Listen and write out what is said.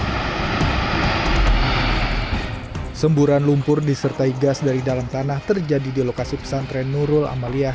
hai semburan lumpur disertai gas dari dalam tanah terjadi di lokasi pesantren nurul amalia